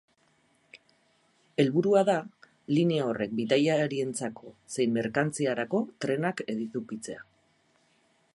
Helburua da linea horrek bidaiarientzako zein merkantziarako trenak edukitzea.